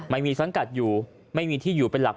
สังกัดอยู่ไม่มีที่อยู่เป็นหลัก